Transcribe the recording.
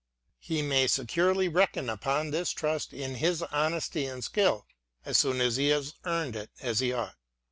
He may securely reckon upon this trust in his honesty and skill, as soon as he has earned it as he ought.